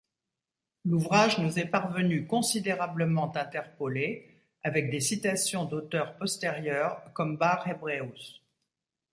L'ouvrage nous est parvenu considérablement interpolé, avec des citations d'auteurs postérieurs comme Bar-Hebraeus.